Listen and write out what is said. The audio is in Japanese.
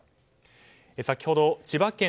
先ほど、千葉県